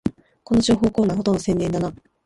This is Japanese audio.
この情報コーナー、ほとんど宣伝だな